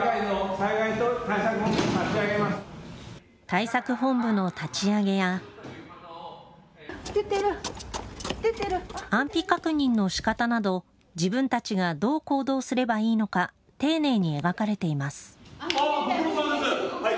対策本部の立ち上げや安否確認のしかたなど自分たちが、どう行動すればいいのか丁寧に描かれています。